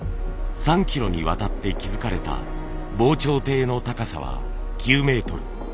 ３キロにわたって築かれた防潮堤の高さは９メートル。